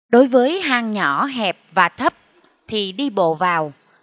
đối với hang nhỏ hẹp và thấp thì đi bộ vào